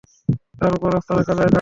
তার উপর আস্থা রাখা যায় না।